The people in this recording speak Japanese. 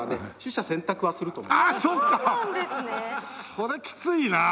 それきついなあ。